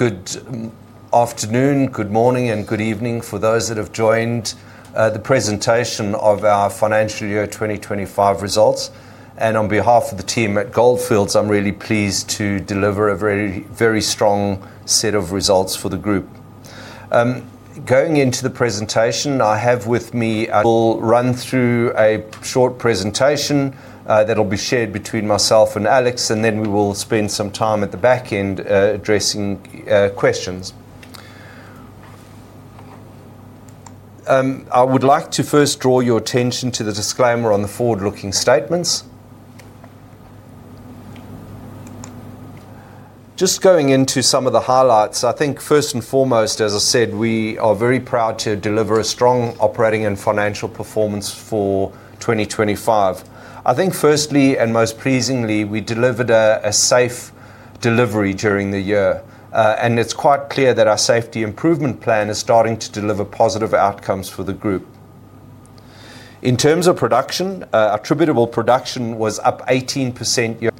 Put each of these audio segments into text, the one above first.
Good afternoon, good morning, and good evening for those that have joined the presentation of our financial year 2025 results. And on behalf of the team at Gold Fields, I'm really pleased to deliver a very, very strong set of results for the group. Going into the presentation, I will run through a short presentation that'll be shared between myself and Alex, and then we will spend some time at the back end addressing questions. I would like to first draw your attention to the disclaimer on the forward-looking statements. Just going into some of the highlights, I think first and foremost, as I said, we are very proud to deliver a strong operating and financial performance for 2025. I think firstly, and most pleasingly, we delivered a safe delivery during the year. And it's quite clear that our safety improvement plan is starting to deliver positive outcomes for the group. In terms of production, attributable production was up 18% year.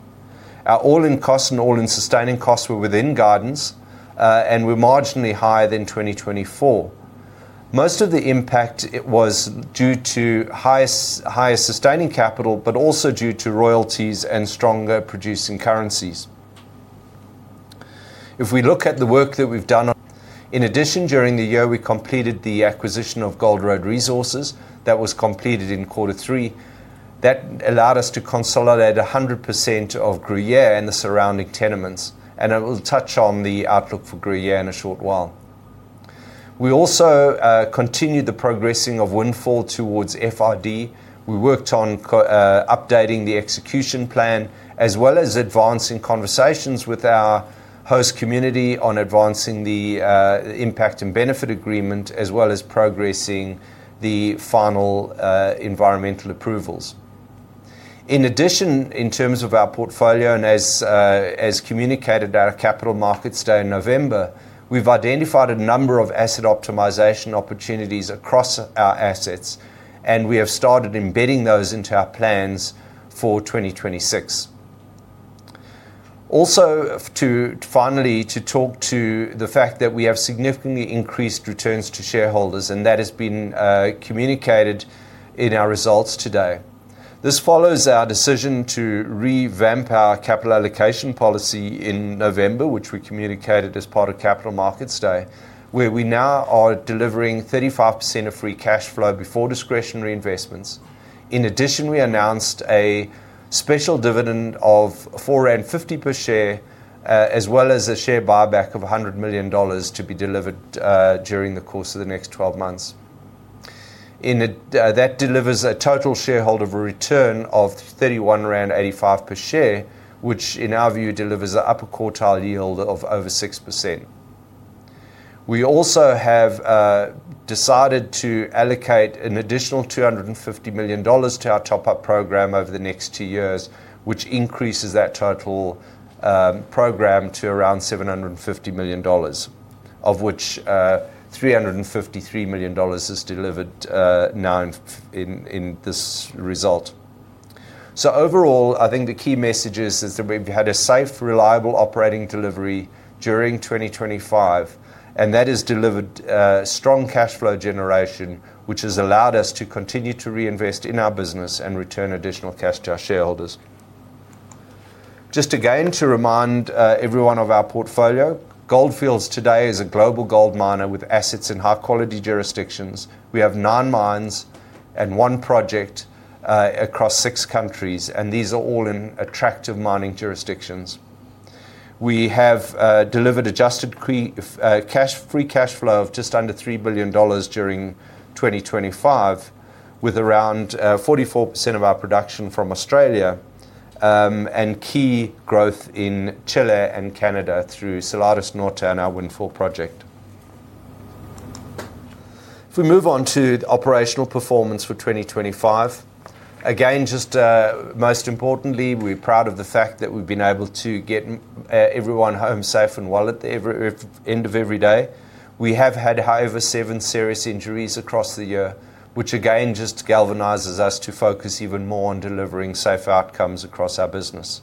Our all-in costs and all-in sustaining costs were within guidance, and were marginally higher than 2024. Most of the impact, it was due to higher sustaining capital, but also due to royalties and stronger producing currencies. If we look at the work that we've done on. In addition, during the year, we completed the acquisition of Gold Road Resources that was completed in Q3. That allowed us to consolidate 100% of Gruyere and the surrounding tenements, and I will touch on the outlook for Gruyere in a short while. We also continued the progressing of Windfall towards FID. We worked on updating the execution plan, as well as advancing conversations with our host community on advancing the impact and benefit agreement, as well as progressing the final environmental approvals. In addition, in terms of our portfolio and as, as communicated at our Capital Markets Day in November, we've identified a number of asset optimization opportunities across our assets, and we have started embedding those into our plans for 2026. Also, to finally to talk to the fact that we have significantly increased returns to shareholders, and that has been communicated in our results today. This follows our decision to revamp our capital allocation policy in November, which we communicated as part of Capital Markets Day, where we now are delivering 35% of free cash flow before discretionary investments. In addition, we announced a special dividend of 4.50 per share, as well as a share buyback of $100 million to be delivered during the course of the next 12 months. That delivers a total shareholder return of 31.85 per share, which, in our view, delivers an upper quartile yield of over 6%. We also have decided to allocate an additional $250 million to our top-up program over the next two years, which increases that total program to around $750 million, of which $353 million is delivered now in this result. So overall, I think the key message is that we've had a safe, reliable operating delivery during 2025, and that has delivered strong cash flow generation, which has allowed us to continue to reinvest in our business and return additional cash to our shareholders. Just again, to remind everyone of our portfolio, Gold Fields today is a global gold miner with assets in high-quality jurisdictions. We have nine mines and one project across six countries, and these are all in attractive mining jurisdictions. We have delivered adjusted cash free cash flow of just under $3 billion during 2025, with around 44% of our production from Australia, and key growth in Chile and Canada through Salares Norte and our Windfall project. If we move on to the operational performance for 2025, again, just, most importantly, we're proud of the fact that we've been able to get everyone home safe and well at every end of every day. We have had, however, seven serious injuries across the year, which again, just galvanizes us to focus even more on delivering safe outcomes across our business.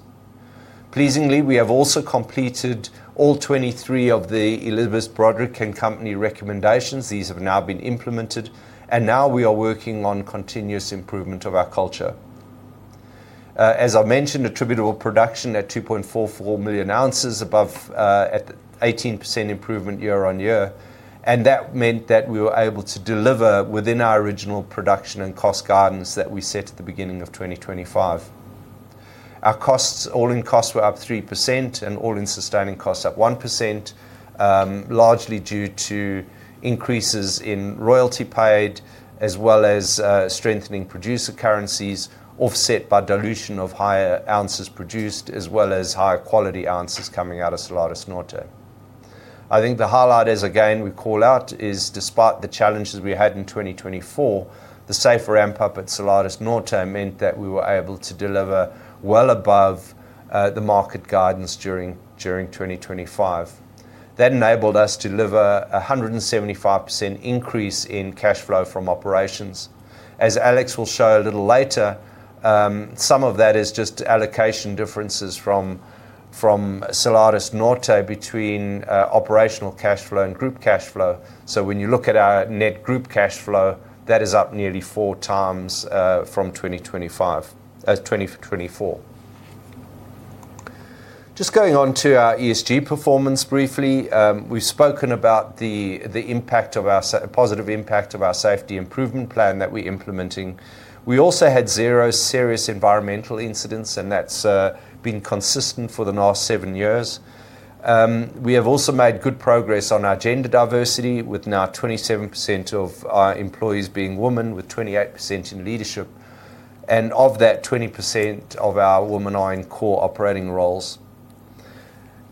Pleasingly, we have also completed all 23 of the Elizabeth Broderick and company recommendations. These have now been implemented, and now we are working on continuous improvement of our culture. As I mentioned, attributable production at 2.44 million ounces above at 18% improvement year-on-year, and that meant that we were able to deliver within our original production and cost guidance that we set at the beginning of 2025. Our costs, all-in costs were up 3% and all-in sustaining costs up 1%, largely due to increases in royalty paid, as well as, strengthening producer currencies, offset by dilution of higher ounces produced, as well as higher quality ounces coming out of Salares Norte. I think the highlight is, again, we call out, is despite the challenges we had in 2024, the safe ramp-up at Salares Norte meant that we were able to deliver well above, the market guidance during 2025. That enabled us to deliver a 175% increase in cash flow from operations. As Alex will show a little later, some of that is just allocation differences from Salares Norte between, operational cash flow and group cash flow. So when you look at our net group cash flow, that is up nearly four times from 2025, 2024. Just going on to our ESG performance briefly, we've spoken about the impact of our positive impact of our safety improvement plan that we're implementing. We also had zero serious environmental incidents, and that's been consistent for the last seven years. We have also made good progress on our gender diversity, with now 27% of our employees being women, with 28% in leadership, and of that, 20% of our women are in core operating roles.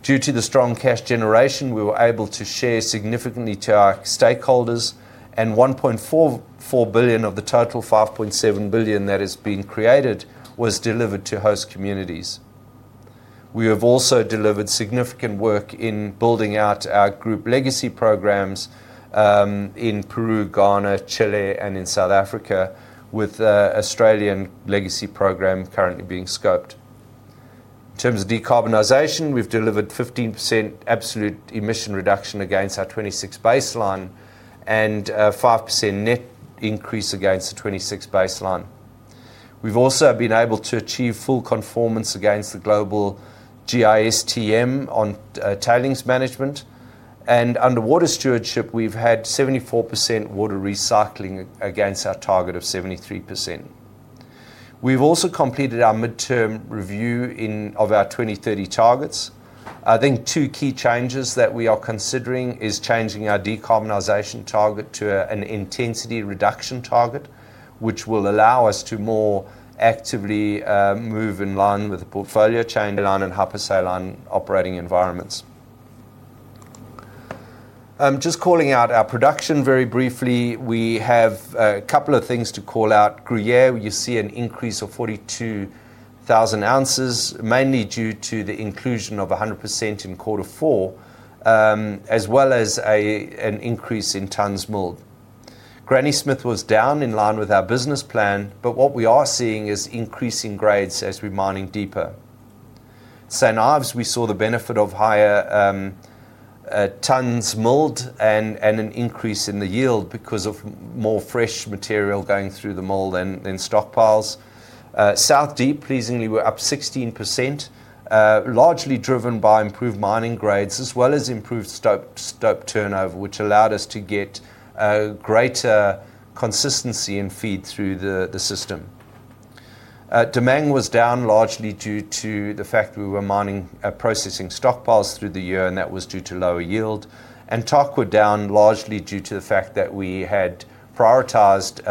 Due to the strong cash generation, we were able to share significantly to our stakeholders, and $1.44 billion of the total $5.7 billion that has been created was delivered to host communities. We have also delivered significant work in building out our group legacy programs, in Peru, Ghana, Chile, and in South Africa, with an Australian legacy program currently being scoped. In terms of decarbonization, we've delivered 15% absolute emission reduction against our 2026 baseline, and a 5% net increase against the 2026 baseline. We've also been able to achieve full conformance against the global GISTM on tailings management, and under water stewardship, we've had 74% water recycling against our target of 73%. We've also completed our midterm review of our 2030 targets. I think two key changes that we are considering is changing our decarbonization target to an intensity reduction target, which will allow us to more actively move in line with the portfolio change line and hypersaline operating environments. Just calling out our production very briefly, we have a couple of things to call out. Gruyere, you see an increase of 42,000 ounces, mainly due to the inclusion of 100% in quarter four, as well as an increase in tonnes milled. Granny Smith was down in line with our business plan, but what we are seeing is increasing grades as we're mining deeper. St Ives, we saw the benefit of higher tonnes milled and an increase in the yield because of more fresh material going through the mill than stockpiles. South Deep, pleasingly, we're up 16%, largely driven by improved mining grades, as well as improved stope turnover, which allowed us to get greater consistency and feed through the system. Damang was down largely due to the fact we were mining, processing stockpiles through the year, and that was due to lower yield. And Tarkwa were down largely due to the fact that we had prioritized,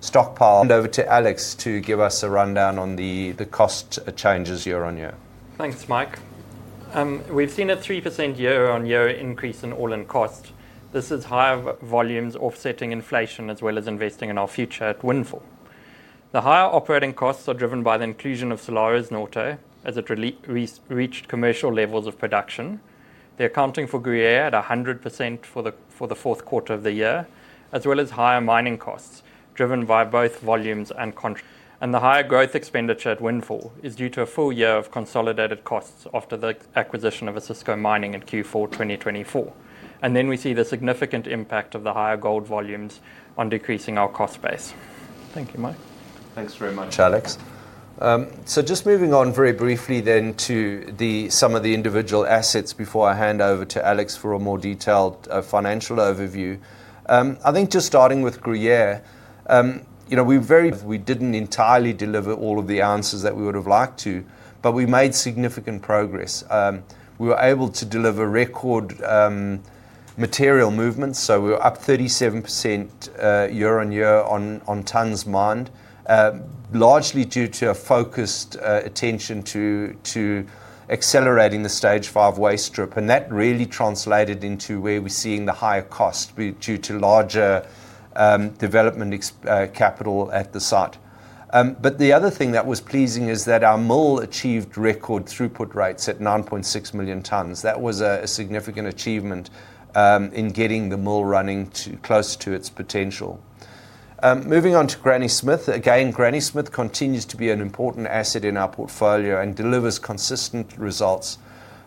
stockpile. Over to Alex to give us a rundown on the cost changes year on year. Thanks, Mike. We've seen a 3% year-over-year increase in all-in cost. This is higher volumes offsetting inflation, as well as investing in our future at Windfall. The higher operating costs are driven by the inclusion of Salares Norte as it reached commercial levels of production. They're accounting for Gruyere at 100% for the fourth quarter of the year, as well as higher mining costs, driven by both volumes. And the higher growth expenditure at Windfall is due to a full year of consolidated costs after the acquisition of Osisko Mining in Q4 2024. And then we see the significant impact of the higher gold volumes on decreasing our cost base. Thank you, Mike. Thanks very much, Alex. So just moving on very briefly then to the some of the individual assets before I hand over to Alex for a more detailed financial overview. I think just starting with Gruyere, you know, we very-- We didn't entirely deliver all of the answers that we would have liked to, but we made significant progress. We were able to deliver record material movements, so we were up 37% year-on-year on tonnes mined, largely due to a focused attention to accelerating the Stage 5 waste strip, and that really translated into where we're seeing the higher cost due to larger development ex-capital at the site. But the other thing that was pleasing is that our mill achieved record throughput rates at 9.6 million tonnes. That was a significant achievement in getting the mill running to close to its potential. Moving on to Granny Smith. Again, Granny Smith continues to be an important asset in our portfolio and delivers consistent results.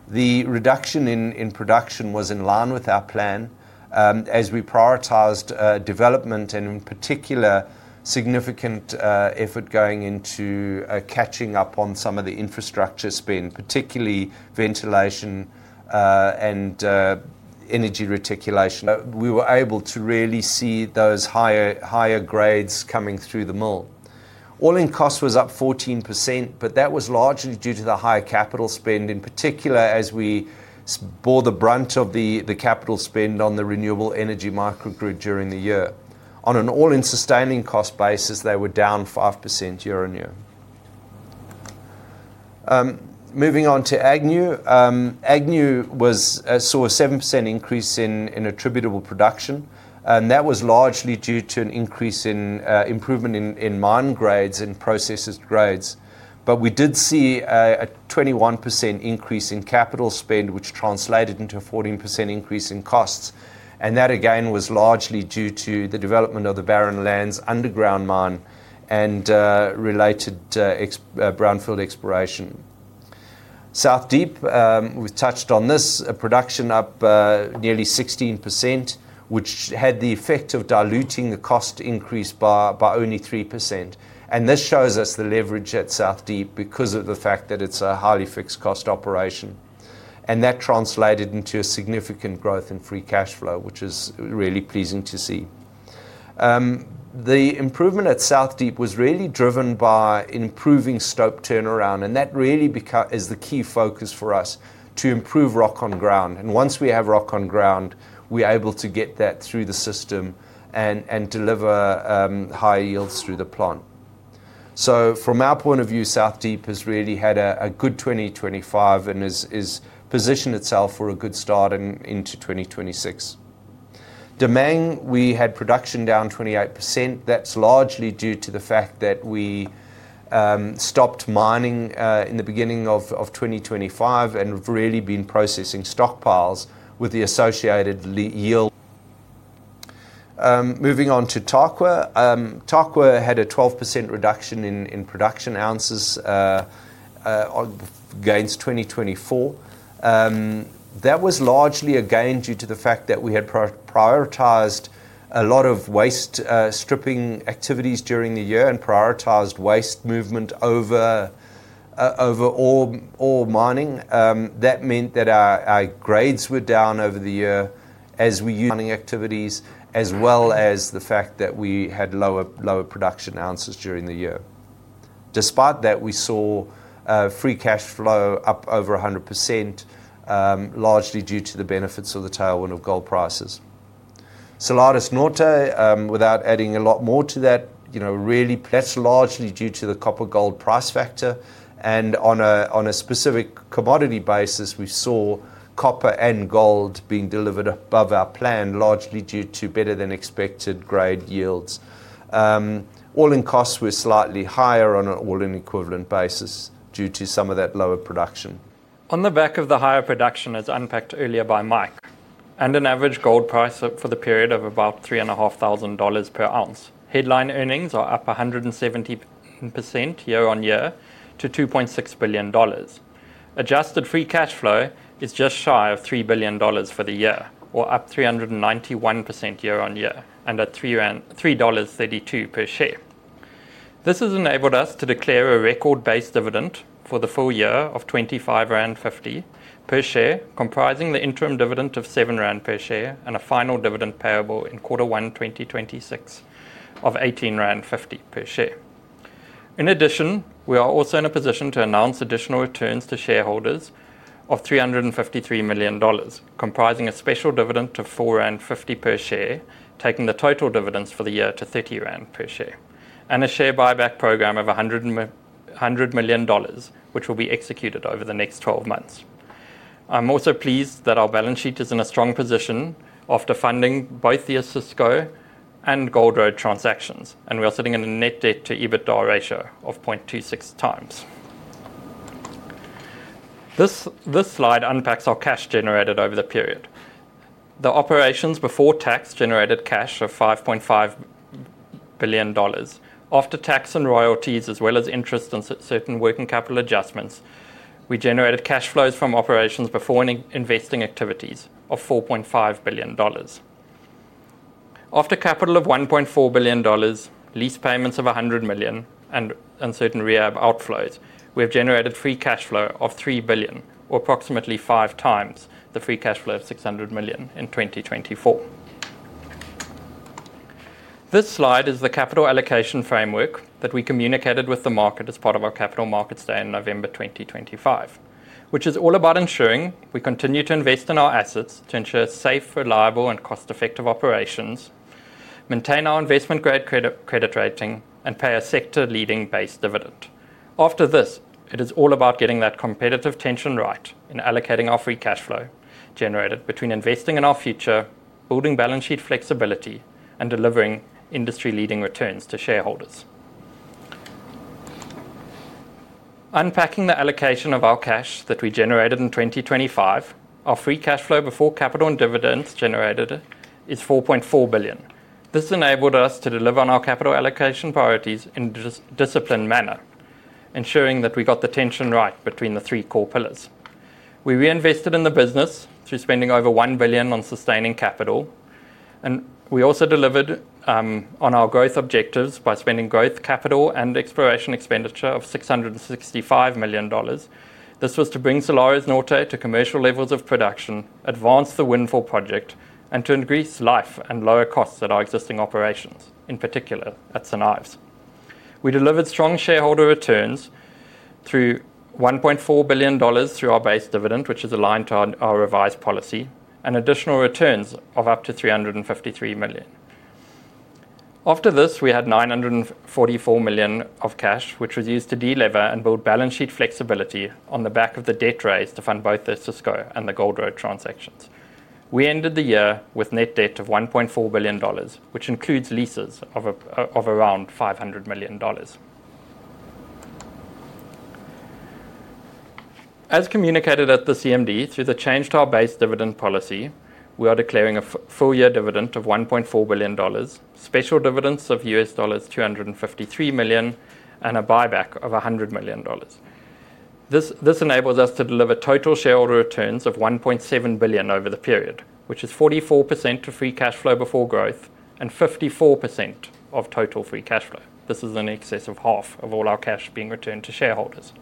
The reduction in production was in line with our plan as we prioritized development, and in particular, significant effort going into catching up on some of the infrastructure spend, particularly ventilation and energy reticulation. We were able to really see those higher grades coming through the mill. All-in cost was up 14%, but that was largely due to the higher capital spend, in particular, as we bore the brunt of the capital spend on the renewable energy microgrid during the year. On an all-in sustaining cost basis, they were down 5% year-on-year. Moving on to Agnew. Agnew saw a 7% increase in attributable production, and that was largely due to an increase in improvement in mine grades and processed grades. But we did see a 21% increase in capital spend, which translated into a 14% increase in costs. And that, again, was largely due to the development of the Barren Lands underground mine and related brownfield exploration. South Deep, we've touched on this. Production up nearly 16%, which had the effect of diluting the cost increase by only 3%. And this shows us the leverage at South Deep because of the fact that it is a highly fixed cost operation, and that translated into a significant growth in free cash flow, which is really pleasing to see. The improvement at South Deep was really driven by improving stope turnaround, and that really is the key focus for us, to improve rock on ground. And once we have rock on ground, we are able to get that through the system and deliver high yields through the plant. So from our point of view, South Deep has really had a good 2025 and is positioned itself for a good start into 2026. Damang, we had production down 28%. That's largely due to the fact that we stopped mining in the beginning of 2025 and we've really been processing stockpiles with the associated lower yield. Moving on to Tarkwa. Tarkwa had a 12% reduction in production ounces against 2024. That was largely, again, due to the fact that we had prioritized a lot of waste stripping activities during the year and prioritized waste movement over ore mining. That meant that our grades were down over the year as we mining activities, as well as the fact that we had lower production ounces during the year. Despite that, we saw free cash flow up over 100%, largely due to the benefits of the tailwind of gold prices. Salares Norte, without adding a lot more to that, you know, really, that's largely due to the copper gold price factor, and on a specific commodity basis, we saw copper and gold being delivered above our plan, largely due to better than expected grade yields. All-in costs were slightly higher on an all-in equivalent basis due to some of that lower production. On the back of the higher production, as unpacked earlier by Mike, and an average gold price for the period of about $3,500 per ounce, headline earnings are up 170% year-on-year to $2.6 billion. Adjusted free cash flow is just shy of $3 billion for the year, or up 391% year-on-year, and at $3.32 per share. This has enabled us to declare a record base dividend for the full year of 25.50 rand per share, comprising the interim dividend of 7 rand per share and a final dividend payable in Q1 2026 of 18.50 rand per share. In addition, we are also in a position to announce additional returns to shareholders of $353 million, comprising a special dividend of 4.50 rand per share, taking the total dividends for the year to 30 rand per share, and a share buyback program of $100 million, which will be executed over the next twelve months. I'm also pleased that our balance sheet is in a strong position after funding both the Osisko and Gold Road transactions, and we are sitting in a net debt to EBITDA ratio of 0.26x. This slide unpacks our cash generated over the period. The operations before tax generated cash of $5.5 billion. After tax and royalties, as well as interest and certain working capital adjustments, we generated cash flows from operations before any investing activities of $4.5 billion. After capital of $1.4 billion, lease payments of $100 million, and uncertain rehab outflows, we have generated free cash flow of $3 billion, or approximately 5x the free cash flow of $600 million in 2024. This slide is the capital allocation framework that we communicated with the market as part of our Capital Markets Day in November 2025, which is all about ensuring we continue to invest in our assets to ensure safe, reliable and cost-effective operations, maintain our investment-grade credit, credit rating and pay a sector-leading base dividend. After this, it is all about getting that competitive tension right in allocating our free cash flow generated between investing in our future, building balance sheet flexibility, and delivering industry-leading returns to shareholders. Unpacking the allocation of our cash that we generated in 2025, our free cash flow before capital and dividends generated is $4.4 billion. This enabled us to deliver on our capital allocation priorities in a disciplined manner, ensuring that we got the tension right between the three core pillars. We reinvested in the business through spending over $1 billion on sustaining capital, and we also delivered on our growth objectives by spending growth capital and exploration expenditure of $665 million. This was to bring Salares Norte to commercial levels of production, advance the Windfall project, and to increase life and lower costs at our existing operations, in particular at South Deep. We delivered strong shareholder returns through $1.4 billion through our base dividend, which is aligned to our revised policy, and additional returns of up to $353 million. After this, we had $944 million of cash, which was used to delever and build balance sheet flexibility on the back of the debt raise to fund both the Osisko and the Gold Road transactions. We ended the year with net debt of $1.4 billion, which includes leases of around $500 million. As communicated at the CMD, through the change to our base dividend policy, we are declaring a full year dividend of $1.4 billion, special dividends of $253 million, and a buyback of $100 million. This enables us to deliver total shareholder returns of $1.7 billion over the period, which is 44% to free cash flow before growth and 54% of total free cash flow. This is in excess of half of all our cash being returned to shareholders.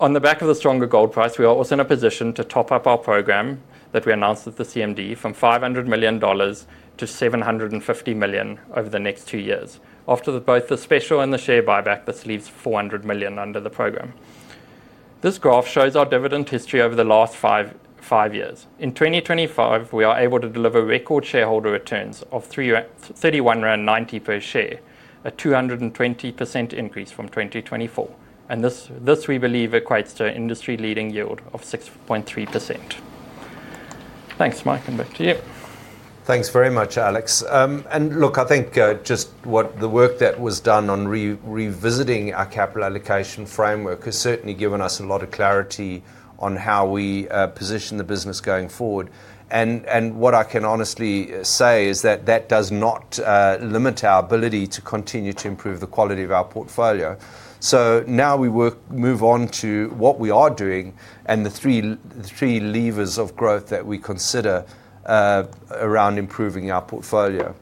On the back of the stronger gold price, we are also in a position to top up our program that we announced at the CMD from $500 million-$750 million over the next two years. After both the special and the share buyback, this leaves 400 million under the program. This graph shows our dividend history over the last five years. In 2025, we are able to deliver record shareholder returns of 31.90 per share, a 220% increase from 2024. And this, we believe, equates to an industry-leading yield of 6.3%. Thanks, Mike, and back to you. Thanks very much, Alex. And look, I think, just what the work that was done on revisiting our capital allocation framework has certainly given us a lot of clarity on how we position the business going forward. And what I can honestly say is that that does not limit our ability to continue to improve the quality of our portfolio. So now we move on to what we are doing and the three levers of growth that we consider around improving our portfolio.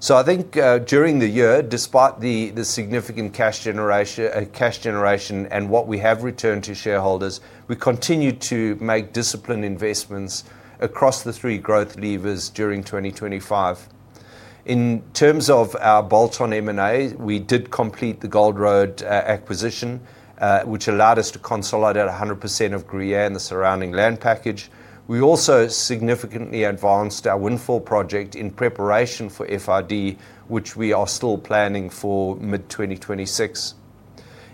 So I think, during the year, despite the significant cash generation and what we have returned to shareholders, we continued to make disciplined investments across the three growth levers during 2025. In terms of our bolt-on M&A, we did complete the Gold Road acquisition, which allowed us to consolidate 100% of Gruyere and the surrounding land package. We also significantly advanced our Windfall project in preparation for FID, which we are still planning for mid-2026.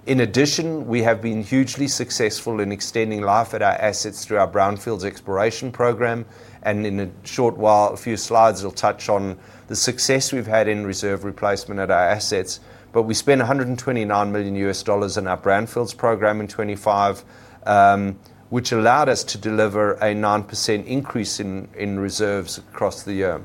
In addition, we have been hugely successful in extending life at our assets through our Brownfield exploration program, and in a short while, a few slides will touch on the success we've had in reserve replacement at our assets. But we spent $129 million in our Brownfield program in 2025, which allowed us to deliver a 9% increase in reserves across the year.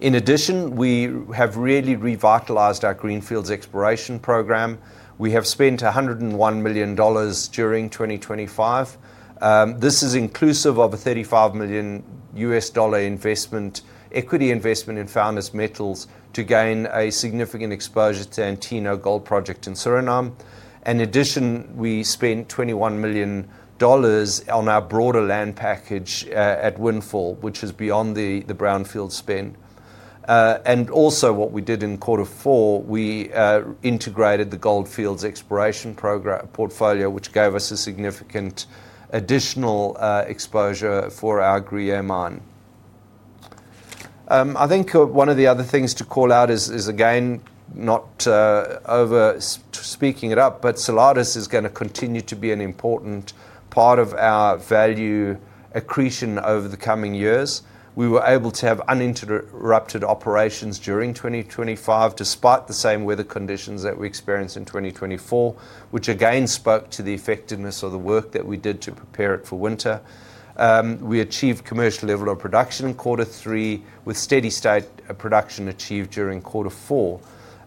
In addition, we have really revitalized our Greenfield exploration program. We have spent $101 million during 2025. This is inclusive of a $35 million equity investment in Founders Metals to gain a significant exposure to Antino Gold Project in Suriname. In addition, we spent $21 million on our broader land package at Windfall, which is beyond the Brownfield spend. And also what we did in quarter four, we integrated the Gold Fields exploration program portfolio, which gave us a significant additional exposure for our Gruyere mine. I think one of the other things to call out is, again, not over speaking it up, but Salares Norte is gonna continue to be an important part of our value accretion over the coming years. We were able to have uninterrupted operations during 2025, despite the same weather conditions that we experienced in 2024, which again spoke to the effectiveness of the work that we did to prepare it for winter. We achieved commercial level of production in quarter three, with steady state production achieved during quarter four.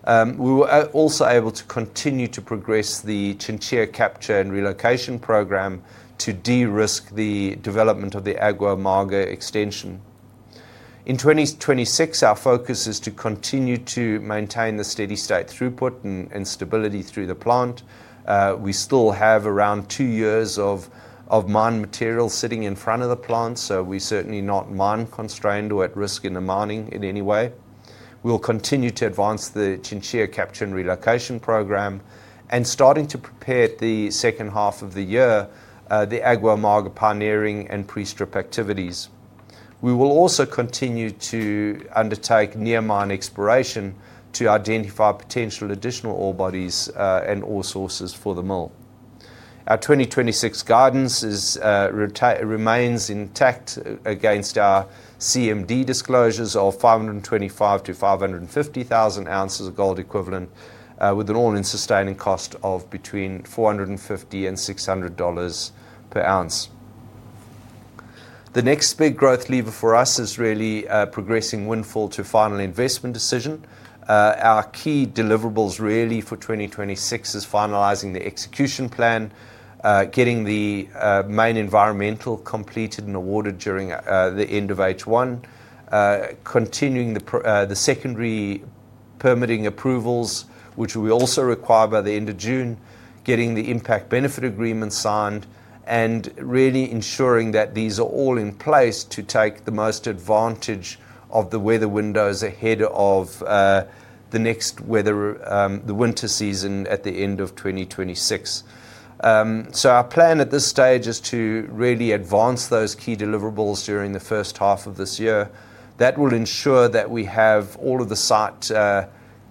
We were also able to continue to progress the Chinchilla capture and relocation program to de-risk the development of the Agua Amarga extension. In 2026, our focus is to continue to maintain the steady state throughput and stability through the plant. We still have around two years of mine material sitting in front of the plant, so we're certainly not mine-constrained or at risk in the mining in any way. We'll continue to advance the Chinchilla capture and relocation program and starting to prepare the second half of the year, the Agua Amarga pioneering and pre-strip activities. We will also continue to undertake near mine exploration to identify potential additional ore bodies, and ore sources for the mill. Our 2026 guidance is, remains intact against our CMD disclosures of 525,000 to 550,000 ounces of gold equivalent, with an all-in sustaining cost of between $450 and $600 per ounce. The next big growth lever for us is really, progressing Windfall to final investment decision. Our key deliverables, really for 2026, is finalizing the execution plan, getting the main environmental completed and awarded during the end of H1, continuing the secondary permitting approvals, which we also require by the end of June, getting the impact benefit agreement signed, and really ensuring that these are all in place to take the most advantage of the weather windows ahead of the next weather, the winter season at the end of 2026. So our plan at this stage is to really advance those key deliverables during the first half of this year. That will ensure that we have all of the site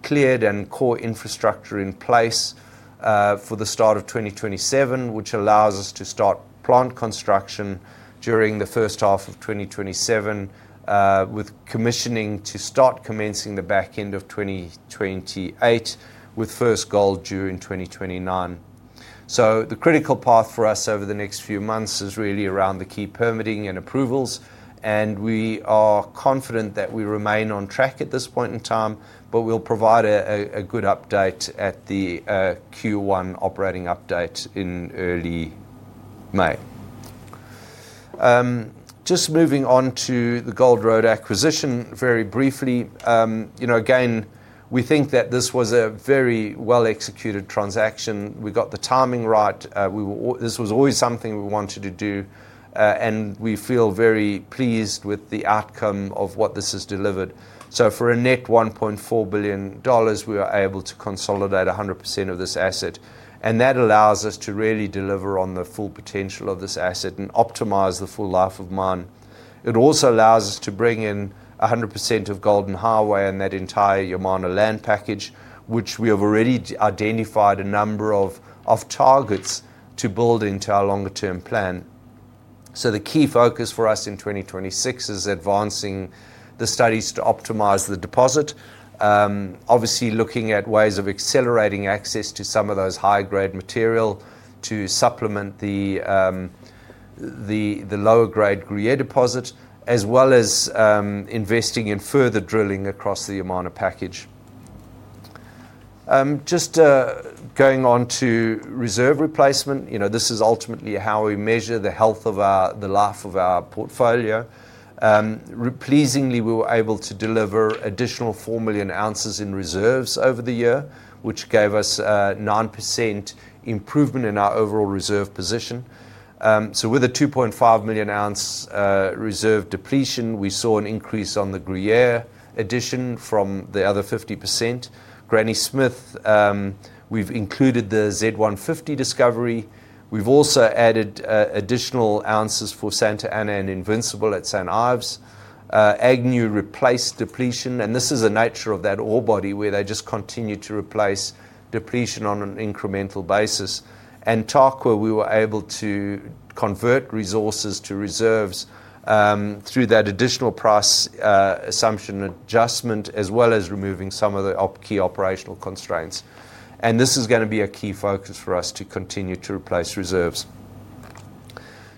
cleared and core infrastructure in place for the start of 2027, which allows us to start plant construction during the first half of 2027, with commissioning to start commencing the back end of 2028, with first gold due in 2029. So the critical path for us over the next few months is really around the key permitting and approvals, and we are confident that we remain on track at this point in time, but we'll provide a good update at the Q1 operating update in early May. Just moving on to the Gold Road acquisition very briefly. You know, again, we think that this was a very well-executed transaction. We got the timing right. This was always something we wanted to do, and we feel very pleased with the outcome of what this has delivered. So for a net $1.4 billion, we were able to consolidate 100% of this asset, and that allows us to really deliver on the full potential of this asset and optimize the full life of mine. It also allows us to bring in 100% of Golden Highway and that entire Yamarna land package, which we have already identified a number of, of targets to build into our longer-term plan. So the key focus for us in 2026 is advancing the studies to optimize the deposit. Obviously, looking at ways of accelerating access to some of those high-grade material to supplement the, the lower grade Gruyere deposit, as well as, investing in further drilling across the Yamarna package. Just, going on to reserve replacement, you know, this is ultimately how we measure the health of our-- the life of our portfolio. Pleasingly, we were able to deliver additional 4 million ounces in reserves over the year, which gave us a 9% improvement in our overall reserve position. So with a 2.5 million ounce, reserve depletion, we saw an increase on the Gruyere addition from the other 50%. Granny Smith, we've included the Z150 discovery. We've also added, additional ounces for Santa Ana and Invincible at St Ives. Agnew replaced depletion, and this is the nature of that ore body, where they just continue to replace depletion on an incremental basis. Tarkwa, we were able to convert resources to reserves through that additional price assumption adjustment, as well as removing some of the key operational constraints. This is gonna be a key focus for us to continue to replace reserves.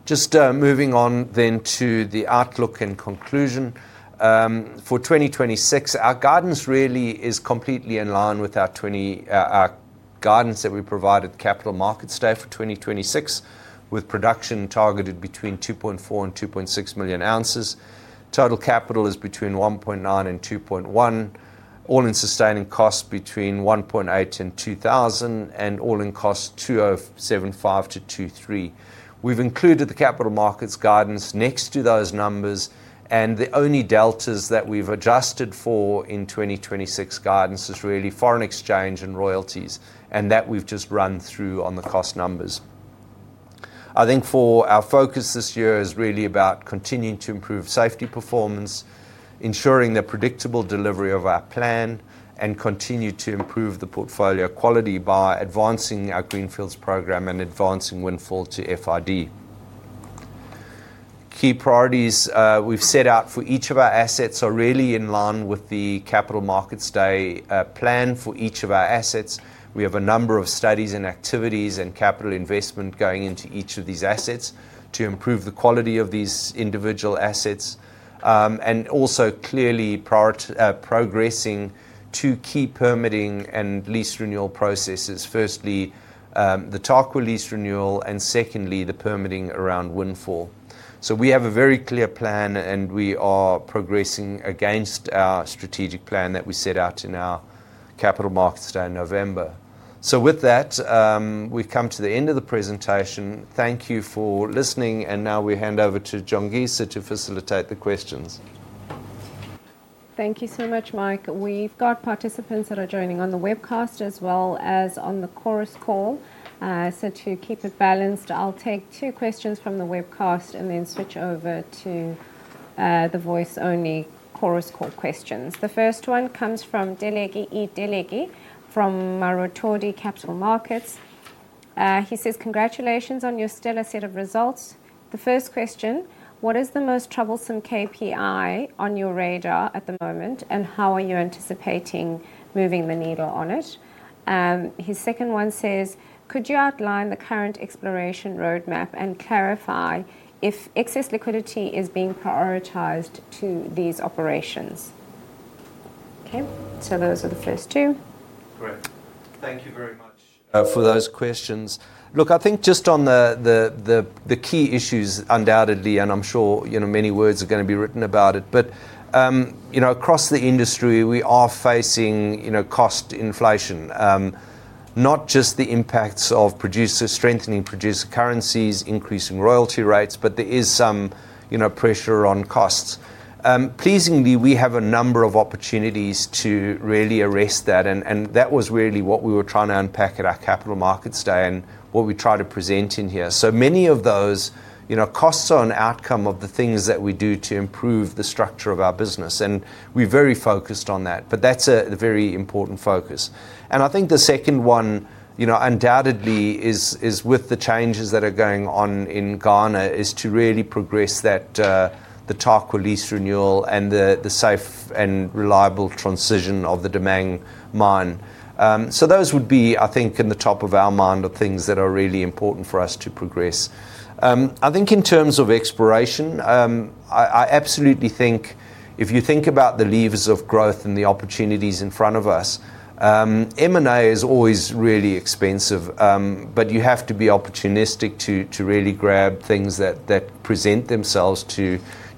Just moving on then to the outlook and conclusion. For 2026, our guidance really is completely in line with our guidance that we provided Capital Markets Day for 2026, with production targeted between 2.4-2.6 million ounces. Total capital is between $1.9 billion-$2.1 billion, all-in sustaining costs between $1,800-$2,000, and all-in costs $2,275-$2,300. We've included the capital markets guidance next to those numbers, and the only deltas that we've adjusted for in 2026 guidance is really foreign exchange and royalties, and that we've just run through on the cost numbers. I think for our focus this year is really about continuing to improve safety performance, ensuring the predictable delivery of our plan, and continue to improve the portfolio quality by advancing our greenfield program and advancing Windfall to FID. Key priorities we've set out for each of our assets are really in line with the Capital Markets Day plan for each of our assets. We have a number of studies and activities and capital investment going into each of these assets to improve the quality of these individual assets. And also clearly progressing two key permitting and lease renewal processes. Firstly, the Tarkwa lease renewal, and secondly, the permitting around Windfall. We have a very clear plan, and we are progressing against our strategic plan that we set out in our Capital Markets Day in November. With that, we've come to the end of the presentation. Thank you for listening, and now we hand over to Jongisa to facilitate the questions. Thank you so much, Mike. We've got participants that are joining on the webcast as well as on the chorus call. So to keep it balanced, I'll take two questions from the webcast and then switch over to the voice-only chorus call questions. The first one comes from Deleke Edeleke from Marotodi Capital Markets. He says, "Congratulations on your stellar set of results. The first question: What is the most troublesome KPI on your radar at the moment, and how are you anticipating moving the needle on it?" His second one says: "Could you outline the current exploration roadmap and clarify if excess liquidity is being prioritized to these operations?" Okay, so those are the first two. Great. Thank you very much for those questions. Look, I think just on the key issues, undoubtedly, and I'm sure, you know, many words are gonna be written about it. But, you know, across the industry, we are facing, you know, cost inflation. Not just the impacts of producers strengthening producer currencies, increasing royalty rates, but there is some, you know, pressure on costs. Pleasingly, we have a number of opportunities to really arrest that, and that was really what we were trying to unpack at our Capital Markets Day and what we tried to present in here. So many of those, you know, costs are an outcome of the things that we do to improve the structure of our business, and we're very focused on that, but that's a very important focus. I think the second one, you know, undoubtedly is with the changes that are going on in Ghana, is to really progress that, the Tarkwa lease renewal and the, the safe and reliable transition of the Damang mine. So those would be, I think, in the top of our mind, the things that are really important for us to progress. I think in terms of exploration, I absolutely think if you think about the levers of growth and the opportunities in front of us, M&A is always really expensive, but you have to be opportunistic to really grab things that present themselves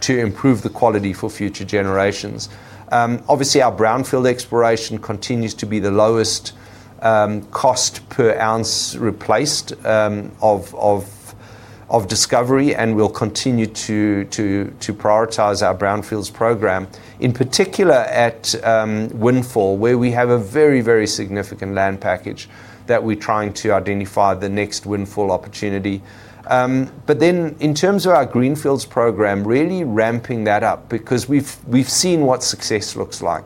to improve the quality for future generations. Obviously, our brownfield exploration continues to be the lowest cost per ounce replaced, of-... of discovery, and we'll continue to prioritize our brownfields program, in particular at Windfall, where we have a very, very significant land package that we're trying to identify the next windfall opportunity. But then in terms of our greenfields program, really ramping that up because we've seen what success looks like.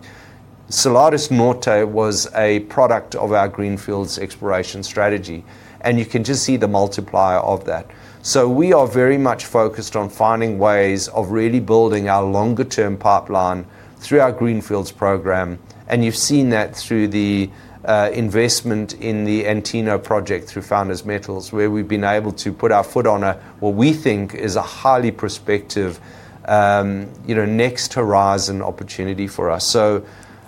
Salares Norte was a product of our greenfields exploration strategy, and you can just see the multiplier of that. So we are very much focused on finding ways of really building our longer-term pipeline through our greenfields program, and you've seen that through the investment in the Antino project, through Founders Metals, where we've been able to put our foot on a, what we think is a highly prospective, you know, next horizon opportunity for us. So,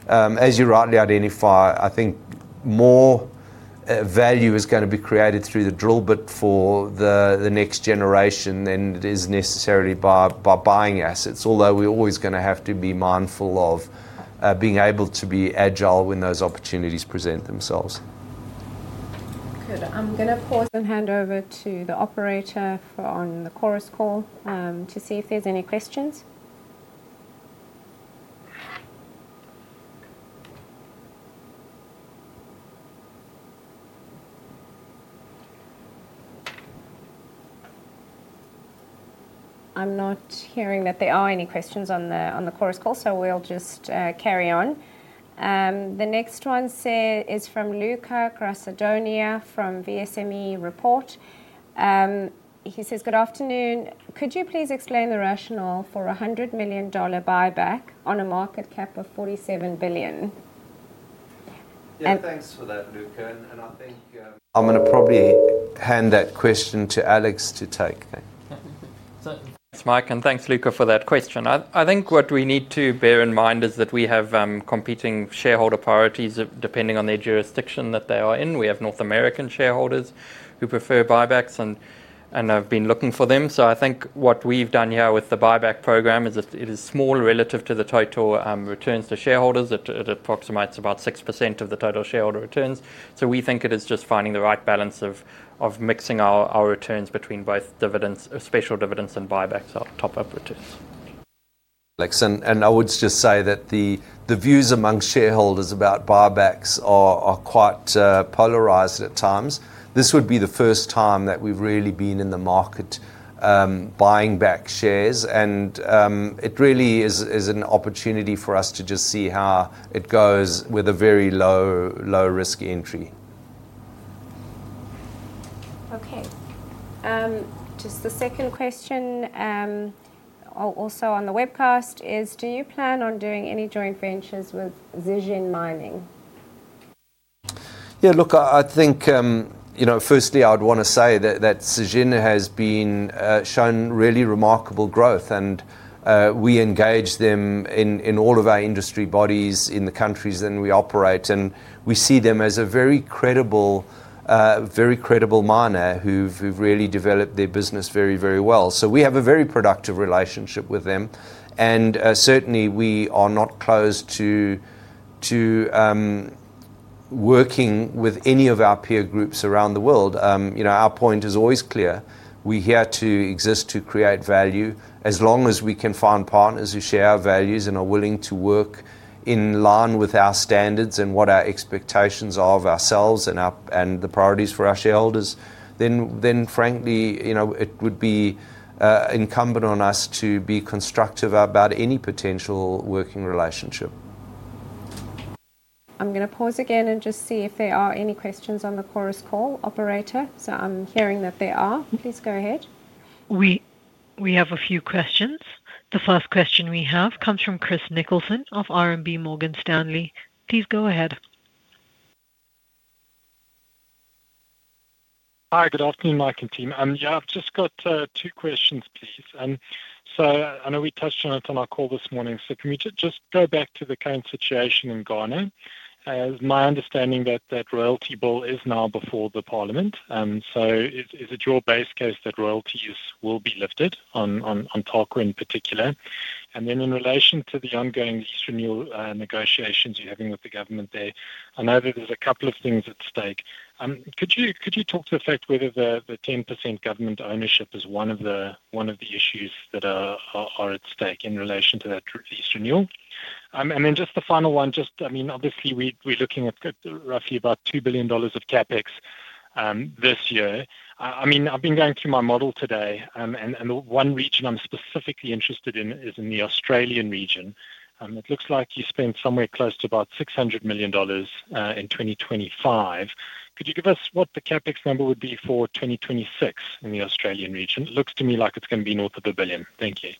as you rightly identify, I think more value is gonna be created through the drill bit for the next generation than it is necessarily by buying assets. Although we're always gonna have to be mindful of being able to be agile when those opportunities present themselves. Good. I'm gonna pause and hand over to the operator for the Chorus Call to see if there's any questions. I'm not hearing that there are any questions on the Chorus Call, so we'll just carry on. The next one, say, is from Luca Grassadonia, from VSME Report. He says, "Good afternoon. Could you please explain the rationale for a $100 million buyback on a market cap of $47 billion?" And- Yeah, thanks for that, Luca. And I think, I'm gonna probably hand that question to Alex to take. So thanks, Mike, and thanks, Luca, for that question. I, I think what we need to bear in mind is that we have competing shareholder priorities depending on their jurisdiction that they are in. We have North American shareholders who prefer buybacks and, and have been looking for them. So I think what we've done here with the buyback program is it, it is small relative to the total returns to shareholders. It, it approximates about 6% of the total shareholder returns. So we think it is just finding the right balance of, of mixing our, our returns between both dividends, special dividends and buybacks are top of priorities. Alex, I would just say that the views among shareholders about buybacks are quite polarized at times. This would be the first time that we've really been in the market buying back shares, and it really is an opportunity for us to just see how it goes with a very low-risk entry. Okay. Just the second question, also on the webcast is: Do you plan on doing any joint ventures with Zijin Mining? Yeah, look, I think, you know, firstly, I would wanna say that Zijin has been shown really remarkable growth, and we engage them in all of our industry bodies in the countries that we operate, and we see them as a very credible miner who've really developed their business very well. So we have a very productive relationship with them, and certainly, we are not closed to working with any of our peer groups around the world. You know, our point is always clear. We're here to exist to create value. As long as we can find partners who share our values and are willing to work in line with our standards and what our expectations are of ourselves and the priorities for our shareholders, then, frankly, you know, it would be incumbent on us to be constructive about any potential working relationship. I'm gonna pause again and just see if there are any questions on the Chorus Call, operator. So I'm hearing that there are. Please go ahead. We have a few questions. The first question we have comes from Chris Nicholson of RMB Morgan Stanley. Please go ahead. Hi. Good afternoon, Mike and team. Yeah, I've just got two questions, please. So I know we touched on it on our call this morning, so can we just go back to the current situation in Ghana? It's my understanding that that royalty bill is now before the Parliament, so is it your base case that royalties will be lifted on Tarkwa in particular? And then in relation to the ongoing lease renewal negotiations you're having with the government there, I know that there's a couple of things at stake. Could you talk to the fact whether the 10% government ownership is one of the issues that are at stake in relation to that lease renewal? And then just the final one, just, I mean, obviously, we're, we're looking at roughly about $2 billion of CapEx this year. I mean, I've been going through my model today, and one region I'm specifically interested in is in the Australian region. It looks like you spent somewhere close to about $600 million in 2025. Could you give us what the CapEx number would be for 2026 in the Australian region? It looks to me like it's gonna be north of $1 billion. Thank you.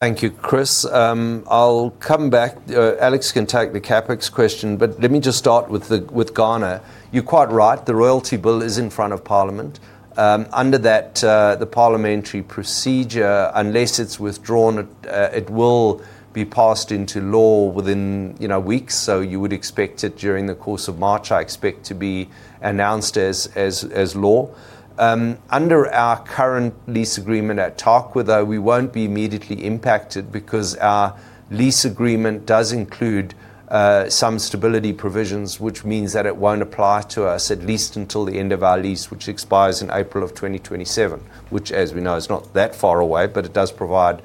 Thank you, Chris. I'll come back. Alex can take the CapEx question, but let me just start with the, with Ghana. You're quite right, the royalty bill is in front of Parliament. Under that, the parliamentary procedure, unless it's withdrawn, it, it will be passed into law within, you know, weeks. So you would expect it during the course of March, I expect to be announced as, as, as law. Under our current lease agreement at Tarkwa, though, we won't be immediately impacted because our lease agreement does include, some stability provisions, which means that it won't apply to us at least until the end of our lease, which expires in April of 2027. Which, as we know, is not that far away, but it does provide,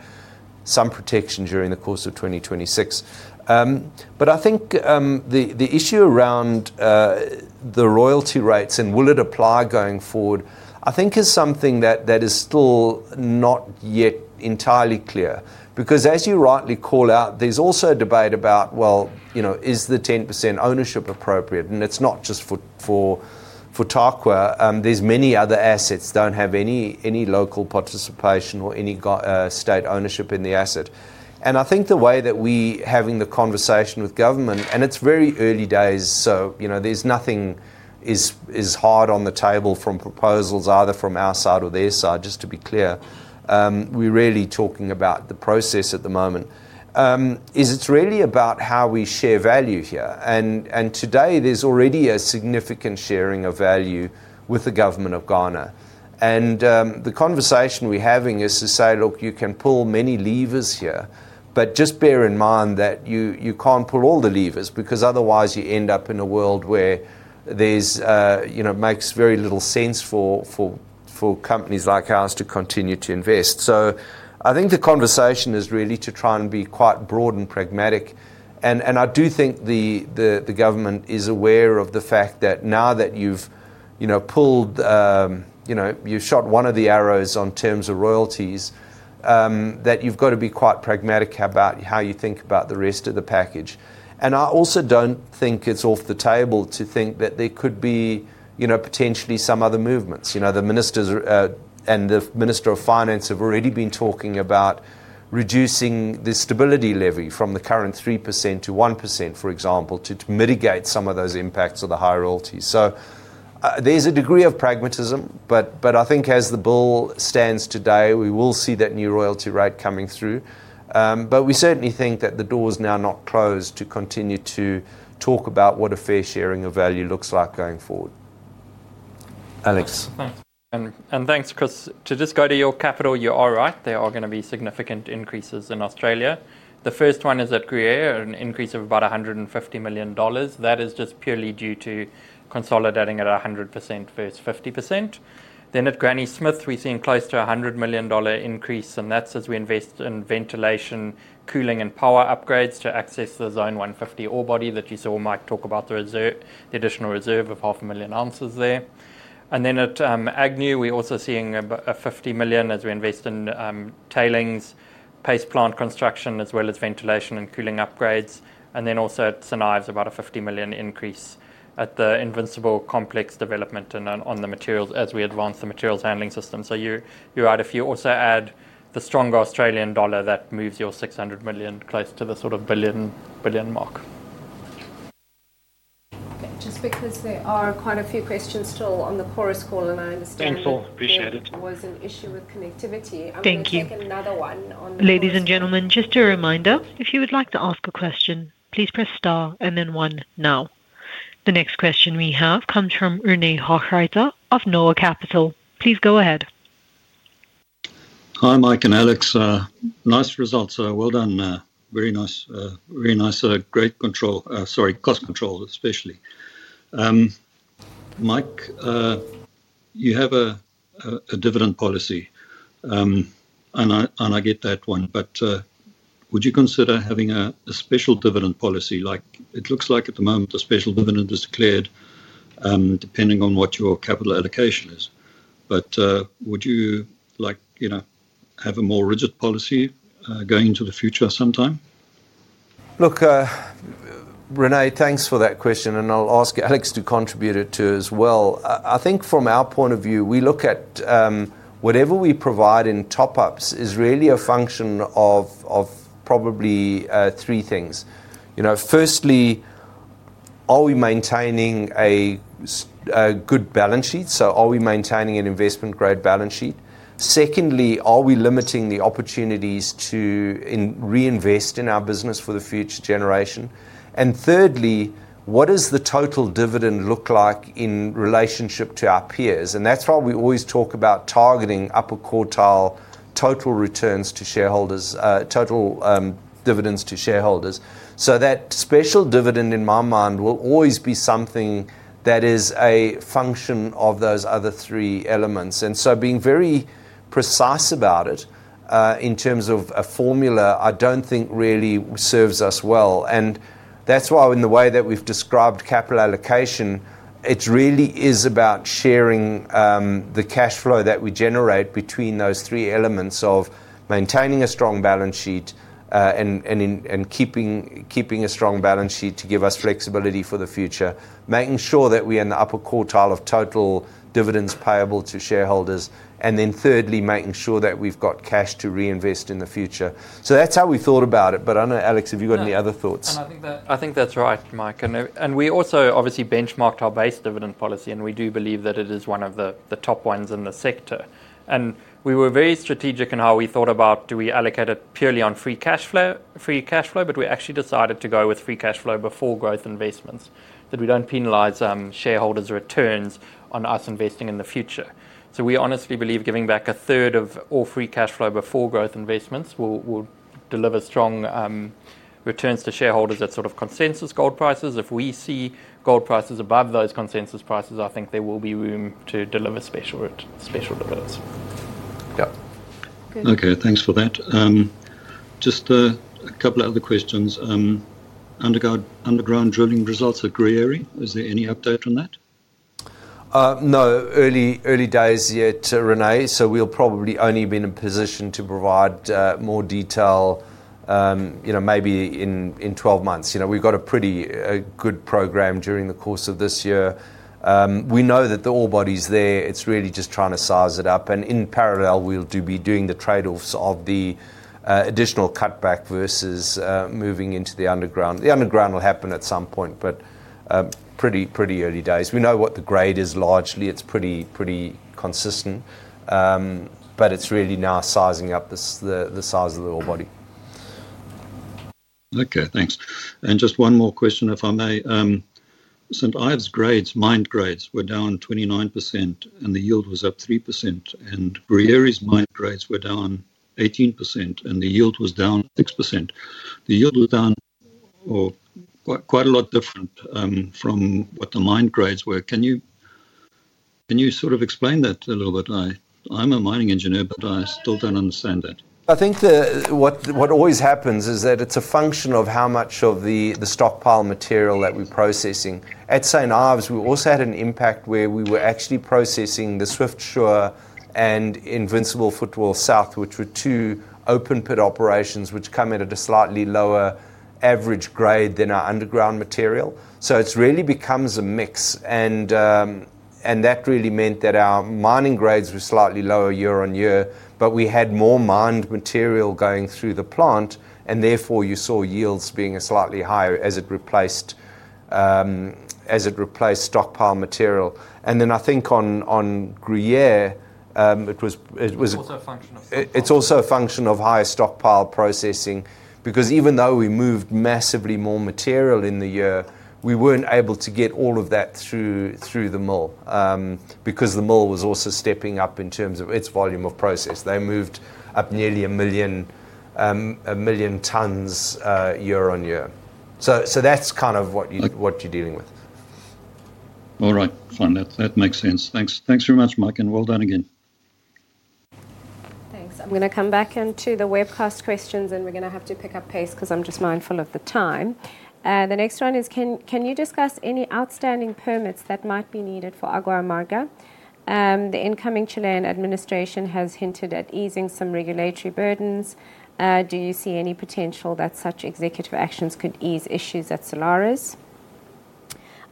some protection during the course of 2026. But I think the issue around the royalty rates and will it apply going forward, I think is something that is still not yet entirely clear. Because as you rightly call out, there's also a debate about, well, you know, is the 10% ownership appropriate? And it's not just for Tarkwa. There's many other assets don't have any local participation or any state ownership in the asset. And I think the way that we having the conversation with government, and it's very early days, so, you know, there's nothing hard on the table from proposals, either from our side or their side, just to be clear. We're really talking about the process at the moment. It's really about how we share value here. Today, there's already a significant sharing of value with the government of Ghana. The conversation we're having is to say: "Look, you can pull many levers here, but just bear in mind that you can't pull all the levers, because otherwise you end up in a world where there's... you know, makes very little sense for companies like ours to continue to invest." So I think the conversation is really to try and be quite broad and pragmatic, and I do think the government is aware of the fact that now that you've you know, pulled you know, you've shot one of the arrows on terms of royalties that you've got to be quite pragmatic about how you think about the rest of the package. And I also don't think it's off the table to think that there could be, you know, potentially some other movements. You know, the ministers are, and the Minister of Finance have already been talking about reducing the stability levy from the current 3% to 1%, for example, to mitigate some of those impacts of the high royalties. So, there's a degree of pragmatism, but I think as the bill stands today, we will see that new royalty rate coming through. But we certainly think that the door is now not closed to continue to talk about what a fair sharing of value looks like going forward. Alex? Thanks. And thanks, Chris. To just go to your capital, you are right. There are gonna be significant increases in Australia. The first one is at Gruyere, an increase of about $150 million. That is just purely due to consolidating at 100% versus 50%. Then at Granny Smith, we're seeing close to $100 million increase, and that's as we invest in ventilation, cooling, and power upgrades to access the Zone 150 ore body that you saw Mike talk about, the reserve, the additional reserve of 500,000 ounces there. And then at Agnew, we're also seeing about $50 million as we invest in tailings, paste plant construction, as well as ventilation and cooling upgrades. And then also at St Ives, about a 50 million increase at the Invincible complex development and on the materials as we advance the materials handling system. So you're right. If you also add the stronger Australian dollar, that moves your 600 million close to the sort of billion mark. Just because there are quite a few questions still on the Chorus Call, and I understand- Thank you. Appreciate it. There was an issue with connectivity. Thank you. I'm going to take another one on the- Ladies and gentlemen, just a reminder, if you would like to ask a question, please press star and then one now. The next question we have comes from René Hochreiter of Noah Capital. Please go ahead. Hi, Mike and Alex. Nice results. Well done. Very nice, very nice. Great control—sorry, cost control, especially. Mike, you have a dividend policy, and I get that one, but would you consider having a special dividend policy? Like, it looks like at the moment, a special dividend is declared, depending on what your capital allocation is. But would you like, you know, have a more rigid policy going into the future sometime? Look, René, thanks for that question, and I'll ask Alex to contribute it, too, as well. I think from our point of view, we look at whatever we provide in top-ups is really a function of probably three things. You know, firstly, are we maintaining a good balance sheet? So are we maintaining an investment-grade balance sheet? Secondly, are we limiting the opportunities to reinvest in our business for the future generation? And thirdly, what does the total dividend look like in relationship to our peers? And that's why we always talk about targeting upper quartile total returns to shareholders, total dividends to shareholders. So that special dividend, in my mind, will always be something that is a function of those other three elements. And so being very precise about it, in terms of a formula, I don't think really serves us well. And that's why in the way that we've described capital allocation, it really is about sharing the cash flow that we generate between those three elements of maintaining a strong balance sheet, and keeping a strong balance sheet to give us flexibility for the future, making sure that we are in the upper quartile of total dividends payable to shareholders, and then thirdly, making sure that we've got cash to reinvest in the future. So that's how we thought about it, but I don't know, Alex, have you got any other thoughts? I think that, I think that's right, Mike. And we also obviously benchmarked our base dividend policy, and we do believe that it is one of the top ones in the sector. And we were very strategic in how we thought about do we allocate it purely on free cash flow, free cash flow, but we actually decided to go with free cash flow before growth investments, that we don't penalize shareholders' returns on us investing in the future. So we honestly believe giving back a third of all free cash flow before growth investments will deliver strong returns to shareholders at sort of consensus gold prices. If we see gold prices above those consensus prices, I think there will be room to deliver special dividends. Yep. Okay, thanks for that. Just a couple other questions. Underground drilling results at Gruyere, is there any update on that? No. Early, early days yet, René, so we'll probably only be in a position to provide more detail, you know, maybe in 12 months. You know, we've got a pretty good program during the course of this year. We know that the ore body's there, it's really just trying to size it up, and in parallel, we'll be doing the trade-offs of the additional cutback versus moving into the underground. The underground will happen at some point, but pretty, pretty early days. We know what the grade is largely. It's pretty, pretty consistent. But it's really now sizing up the size of the ore body. Okay, thanks. And just one more question, if I may. St Ives grades, mined grades, were down 29%, and the yield was up 3%, and Gruyere's mined grades were down 18%, and the yield was down 6%. The yield was down, or quite, quite a lot different, from what the mined grades were. Can you sort of explain that a little bit? I'm a mining engineer, but I still don't understand that. I think what always happens is that it's a function of how much of the stockpile material that we're processing. At St Ives, we also had an impact where we were actually processing the Swiftsure and Invincible Footwall South, which were two open pit operations, which come in at a slightly lower average grade than our underground material. So it's really becomes a mix, and, and that really meant that our mining grades were slightly lower year-on-year, but we had more mined material going through the plant, and therefore, you saw yields being a slightly higher as it replaced, as it replaced stockpile material. And then I think on Gruyere, it was, it was- It's also a function of- It's also a function of higher stockpile processing, because even though we moved massively more material in the year, we weren't able to get all of that through the mill, because the mill was also stepping up in terms of its volume of process. They moved up nearly 1 million, 1 million tons year-on-year. So that's kind of what you- Like- What you're dealing with. All right. Fine. That, that makes sense. Thanks. Thanks very much, Mike, and well done again. Thanks. I'm gonna come back into the webcast questions, and we're gonna have to pick up pace 'cause I'm just mindful of the time. The next one is: Can you discuss any outstanding permits that might be needed for Agua Amarga? The incoming Chilean administration has hinted at easing some regulatory burdens. Do you see any potential that such executive actions could ease issues at Salares?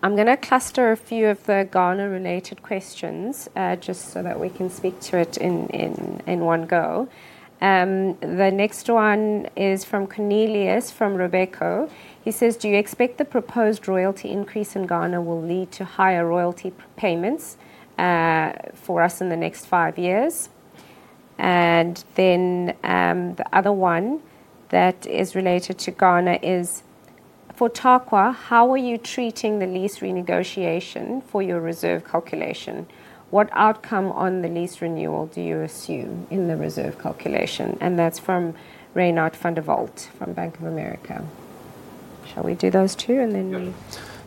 I'm gonna cluster a few of the Ghana-related questions, just so that we can speak to it in one go. The next one is from Cornelius, from Robeco. He says: "Do you expect the proposed royalty increase in Ghana will lead to higher royalty payments, for us in the next five years?" And then, the other one that is related to Ghana is: "For Tarkwa, how are you treating the lease renegotiation for your reserve calculation? What outcome on the lease renewal do you assume in the reserve calculation?" And that's from Reinhardt van der Walt from Bank of America. Shall we do those two, and then we-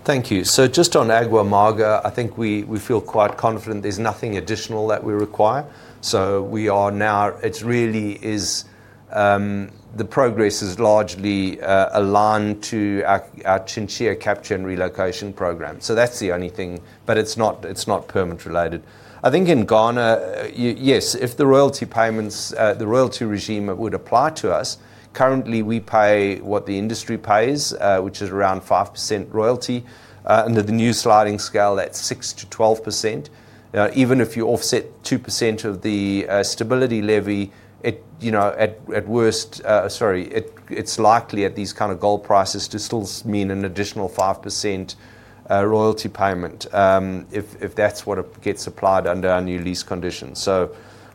Thank you. So just on Agua Amarga, I think we, we feel quite confident there's nothing additional that we require. So we are now. It's really is, the progress is largely, aligned to our, our Chinchilla capture and relocation program. So that's the only thing, but it's not, it's not permit related. I think in Ghana, yes, if the royalty payments, the royalty regime would apply to us, currently, we pay what the industry pays, which is around 5% royalty. Under the new sliding scale, that's 6%-12%. Even if you offset 2% of the, stability levy, it, you know, at, at worst, sorry, it, it's likely at these kind of gold prices to still mean an additional 5%, royalty payment, if, if that's what it gets applied under our new lease conditions. So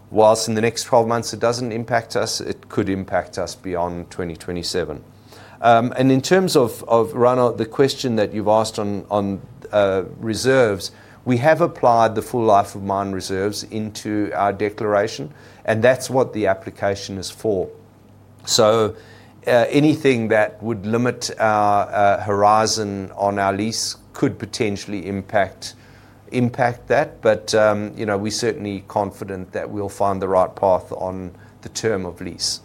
while in the next 12 months, it doesn't impact us, it could impact us beyond 2027. And in terms of Reinhardt, the question that you've asked on reserves, we have applied the full life of mine reserves into our declaration, and that's what the application is for. So anything that would limit our horizon on our lease could potentially impact, impact that. But you know, we're certainly confident that we'll find the right path on the term of lease.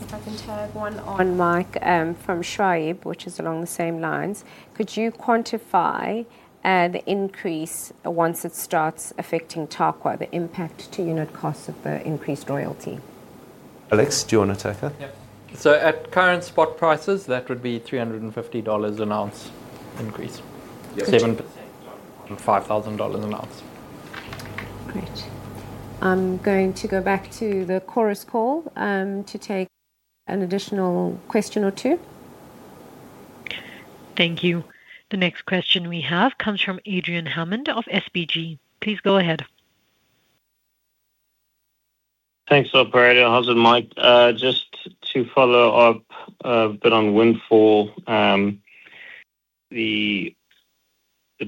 If I can tag one on, Mike, from SBG, which is along the same lines: Could you quantify the increase once it starts affecting Tarkwa, the impact to unit costs of the increased royalty? Alex, do you wanna take that? Yep. So at current spot prices, that would be $350 an ounce increase. Yes. $5,000 an ounce. Great. I'm going to go back to the Chorus Call, to take an additional question or two. Thank you. The next question we have comes from Adrian Hammond of SBG. Please go ahead. Thanks, operator. How's it, Mike? Just to follow up a bit on Windfall, the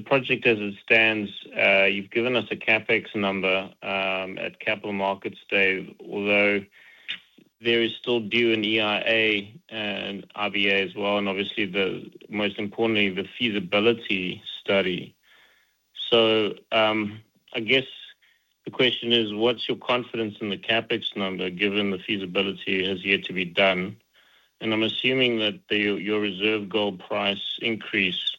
project as it stands, you've given us a CapEx number at Capital Markets Day, although... there is still due an EIA and IBA as well, and obviously, most importantly, the feasibility study. So, I guess the question is, what's your confidence in the CapEx number, given the feasibility has yet to be done? And I'm assuming that your reserve gold price increase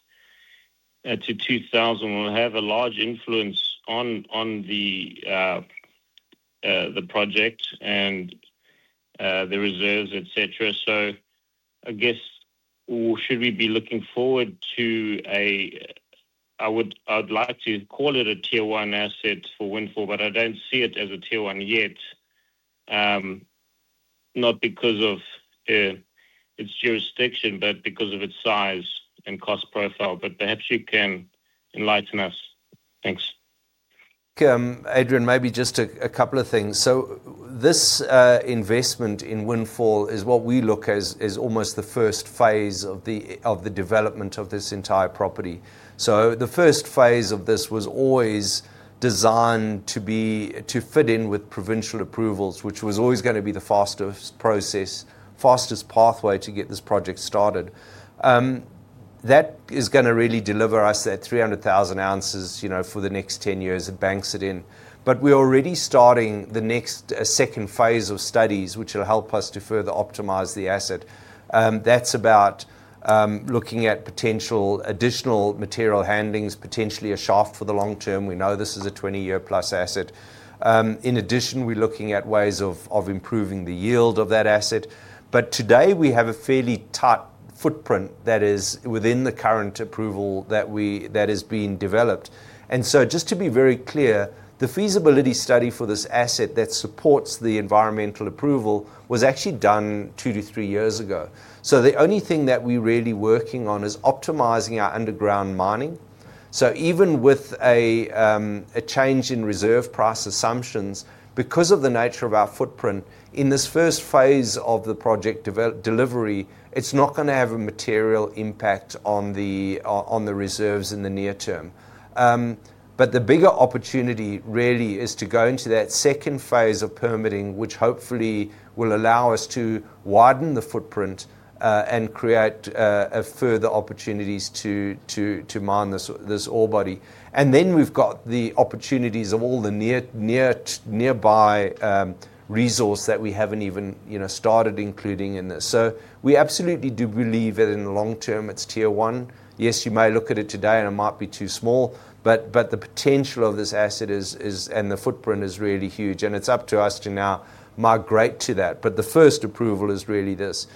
to $2,000 will have a large influence on the project and the reserves, et cetera. So I guess, should we be looking forward to a-- I would, I'd like to call it a Tier 1 asset for Windfall, but I don't see it as a Tier One yet. Not because of its jurisdiction, but because of its size and cost profile. But perhaps you can enlighten us. Thanks. Adrian, maybe just a couple of things. So this investment in Windfall is what we look as almost the first phase of the development of this entire property. So the first phase of this was always designed to be, to fit in with provincial approvals, which was always gonna be the fastest process, fastest pathway to get this project started. That is gonna really deliver us that 300,000 ounces, you know, for the next 10 years and bank it in. But we're already starting the next second phase of studies, which will help us to further optimize the asset. That's about looking at potential additional material handlings, potentially a shaft for the long term. We know this is a 20-year-plus asset. In addition, we're looking at ways of improving the yield of that asset, but today we have a fairly tight footprint that is within the current approval that is being developed. And so just to be very clear, the feasibility study for this asset that supports the environmental approval was actually done 2-3 years ago. So the only thing that we're really working on is optimizing our underground mining. So even with a change in reserve price assumptions, because of the nature of our footprint, in this first phase of the project delivery, it's not gonna have a material impact on the reserves in the near term. But the bigger opportunity really is to go into that second phase of permitting, which hopefully will allow us to widen the footprint, and create a further opportunities to mine this ore body. And then we've got the opportunities of all the nearby resource that we haven't even, you know, started including in this. So we absolutely do believe that in the long term, it's Tier 1. Yes, you may look at it today, and it might be too small, but the potential of this asset is... and the footprint is really huge, and it's up to us to now migrate to that. But the first approval is really this.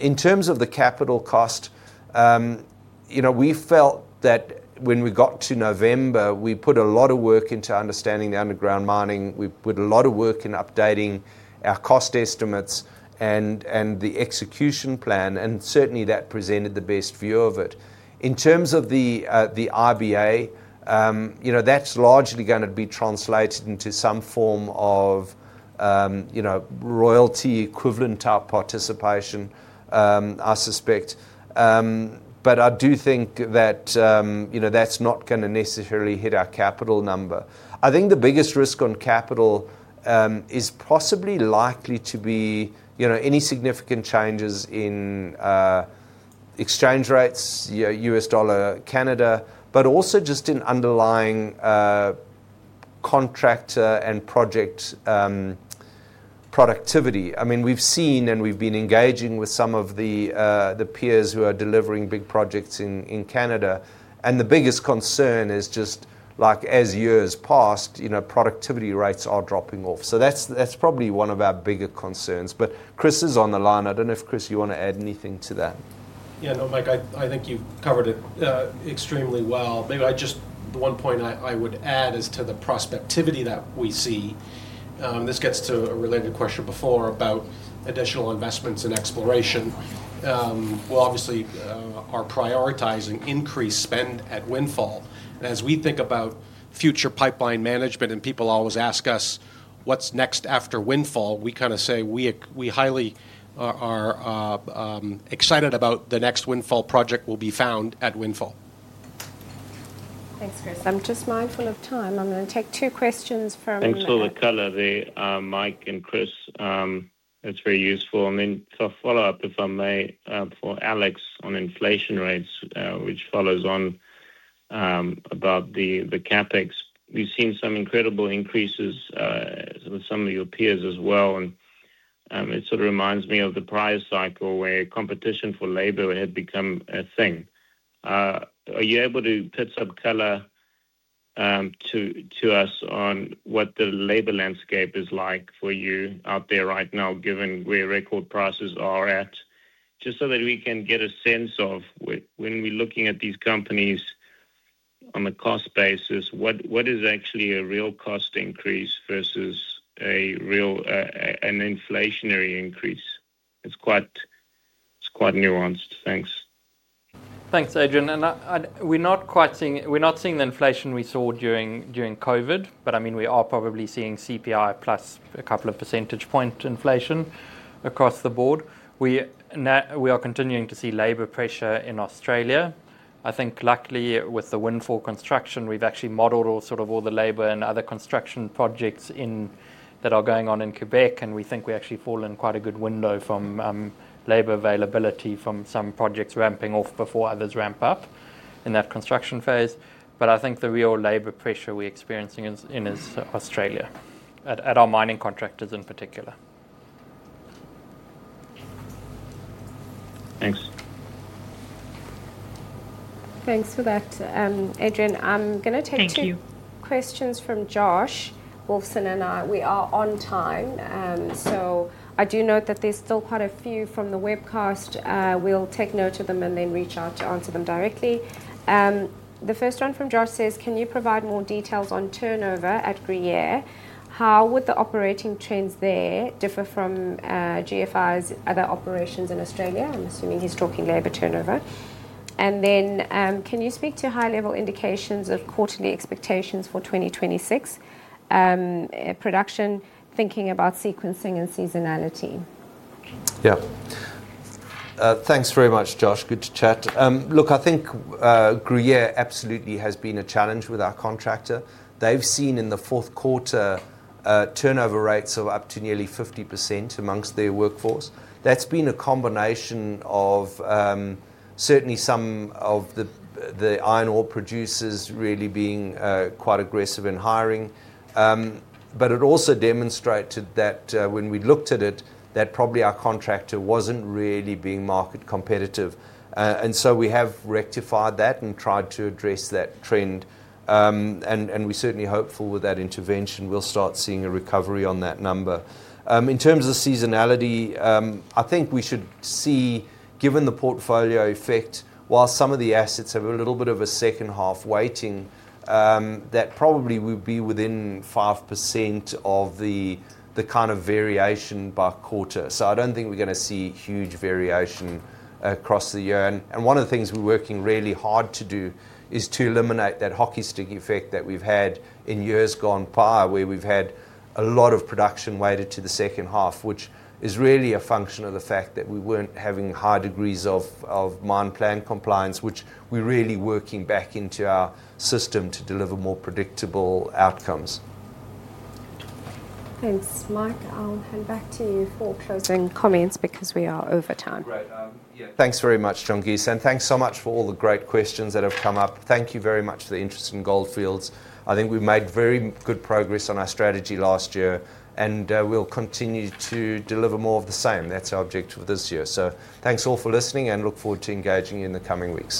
In terms of the capital cost, you know, we felt that when we got to November, we put a lot of work into understanding the underground mining. We put a lot of work in updating our cost estimates and the execution plan, and certainly that presented the best view of it. In terms of the IBA, you know, that's largely gonna be translated into some form of, you know, royalty equivalent type participation, I suspect. But I do think that, you know, that's not gonna necessarily hit our capital number. I think the biggest risk on capital is possibly likely to be, you know, any significant changes in exchange rates, US dollar, Canada, but also just in underlying contractor and project productivity. I mean, we've seen, and we've been engaging with some of the the peers who are delivering big projects in Canada, and the biggest concern is just, like, as years past, you know, productivity rates are dropping off. So that's, that's probably one of our bigger concerns. But Chris is on the line. I don't know if, Chris, you wanna add anything to that? Yeah. No, Mike, I think you've covered it extremely well. Maybe I just—the one point I would add is to the prospectivity that we see. This gets to a related question before about additional investments in exploration. Well, obviously, our prioritizing increased spend at Windfall, and as we think about future pipeline management, and people always ask us: What's next after Windfall? We kinda say we highly are excited about the next Windfall project will be found at Windfall. Thanks, Chris. I'm just mindful of time. I'm gonna take two questions for a minute. Thanks for the color there, Mike and Chris. It's very useful. I mean, so a follow-up, if I may, for Alex, on inflation rates, which follows on, about the, the CapEx. We've seen some incredible increases, with some of your peers as well, and, it sort of reminds me of the prior cycle where competition for labor had become a thing. Are you able to put some color, to, to us on what the labor landscape is like for you out there right now, given where record prices are at? Just so that we can get a sense of when, when we're looking at these companies on a cost basis, what, what is actually a real cost increase versus a real, a, an inflationary increase? It's quite, it's quite nuanced. Thanks. Thanks, Adrian. We're not quite seeing the inflation we saw during COVID, but I mean, we are probably seeing CPI plus a couple of percentage point inflation across the board. We are continuing to see labor pressure in Australia. I think luckily, with the Windfall construction, we've actually modeled all, sort of all the labor and other construction projects in that are going on in Quebec, and we think we actually fall in quite a good window from labor availability from some projects ramping off before others ramp up in that construction phase. But I think the real labor pressure we're experiencing is in Australia, at our mining contractors in particular. Thanks. Thanks for that, Adrian. I'm gonna take- Thank you. Two questions from Josh Wolfson, and we are on time. So I do note that there's still quite a few from the webcast. We'll take note of them and then reach out to answer them directly. The first one from Josh says: "Can you provide more details on turnover at Gruyere? How would the operating trends there differ from GFI's other operations in Australia?" I'm assuming he's talking labor turnover. And then, "Can you speak to high-level indications of quarterly expectations for 2026 production, thinking about sequencing and seasonality? Yeah. Thanks very much, Josh. Good to chat. Look, I think, Gruyere absolutely has been a challenge with our contractor. They've seen in the fourth quarter, turnover rates of up to nearly 50% amongst their workforce. That's been a combination of, certainly some of the, the iron ore producers really being, quite aggressive in hiring. But it also demonstrated that, when we looked at it, that probably our contractor wasn't really being market competitive. And so we have rectified that and tried to address that trend. And, we're certainly hopeful with that intervention, we'll start seeing a recovery on that number. In terms of seasonality, I think we should see, given the portfolio effect, while some of the assets have a little bit of a second half weighting, that probably would be within 5% of the kind of variation by quarter. So I don't think we're gonna see huge variation across the year. And one of the things we're working really hard to do is to eliminate that hockey stick effect that we've had in years gone by, where we've had a lot of production weighted to the second half, which is really a function of the fact that we weren't having high degrees of mine plan compliance, which we're really working back into our system to deliver more predictable outcomes. Thanks, Mike. I'll hand back to you for closing comments because we are over time. Great. Yeah, thanks very much, Jongisa, and thanks so much for all the great questions that have come up. Thank you very much for the interest in Gold Fields. I think we've made very good progress on our strategy last year, and we'll continue to deliver more of the same. That's our objective this year. So thanks all for listening, and look forward to engaging you in the coming weeks.